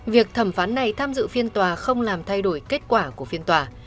việc thẩm phán này tham dự phiên tòa không làm thay đổi kết quả của phiên tòa